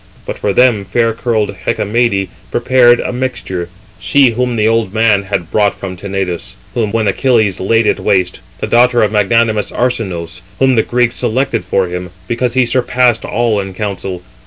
But for them fair curled Hecamede prepared a mixture, she whom the old man had brought from Tenedos, when Achilles laid it waste, the daughter of magnanimous Arsinoüs, whom the Greeks selected for him, because he surpassed all in counsel.